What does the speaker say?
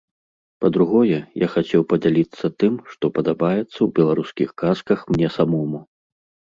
Па-другое, я хацеў падзяліцца тым, што падабаецца ў беларускіх казках мне самому.